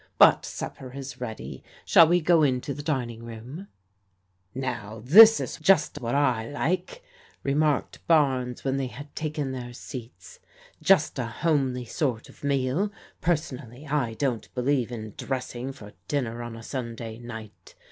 "But supper is ready. Shall we go into the dining room ?"" Now this is just what I like," remarked Barnes when they had taken their seats. " Just a homely sort of meal. Personally I don't believe in dressing for dinner on a Sunday night.